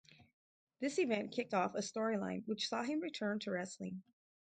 This event kicked off a storyline which saw him return to wrestling.